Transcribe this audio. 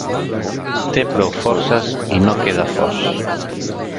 Té prou forces i no queda fos.